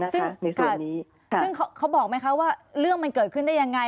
ซึ่งเขาบอกไหมคะว่าเรื่องมันเกิดขึ้นได้ยังไง